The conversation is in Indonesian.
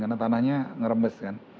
karena tanahnya ngerembes kan